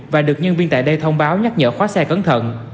và được nhân viên tại đây thông báo nhắc nhở khóa xe cẩn thận